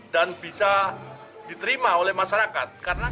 dan bisa diterima oleh masyarakat